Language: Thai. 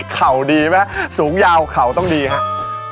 เข่าดีไหมสูงยาวเข่าต้องดีครับ